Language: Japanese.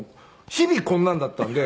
日々こんなんだったんで。